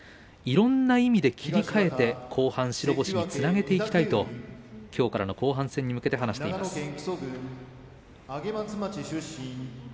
いろんな意味で切り替えて後半白星につなげていきたいときょうからの後半戦に向けて話しています。